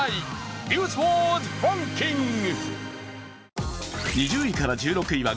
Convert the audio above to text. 「ニュースワードランキング」。